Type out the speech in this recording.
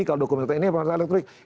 kalau dokumen elektronik ini apa